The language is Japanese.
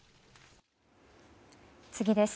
次です。